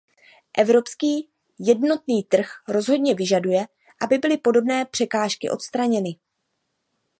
Evropský jednotný trh rozhodně vyžaduje, aby byly podobné překážky odstraněny.